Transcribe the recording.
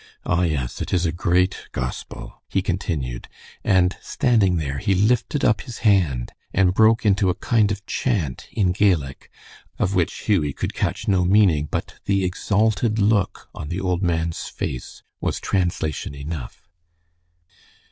Ah, yes, it is a great gospel," he continued, and standing there he lifted up his hand and broke into a kind of chant in Gaelic, of which Hughie could catch no meaning, but the exalted look on the old man's face was translation enough.